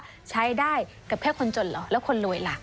กฎหมายว่าใช้ได้กับแค่คนจนหรอกและคนรวยล่ะ